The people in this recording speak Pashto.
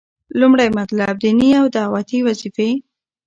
لومړی مطلب - ديني او دعوتي وظيفي: